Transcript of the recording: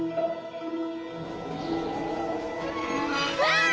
わあ！